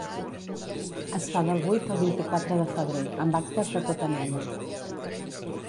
Es fa del vuit al vint-i-quatre de febrer amb actes de tota mena.